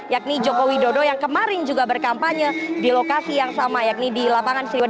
yakni joko widodo yang kemarin juga berkampanye di lokasi yang sama yakni di lapangan siriwet